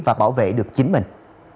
và bảo vệ được chính mình